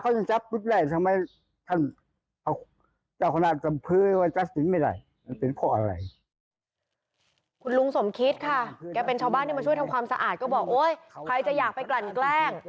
ก็บอกโอ๊ยใครจะอยากไปกลั่นแกล้ง